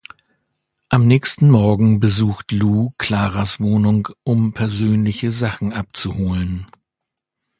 Am nächsten Morgen besucht Lou Claras Wohnung, um persönliche Sachen abzuholen.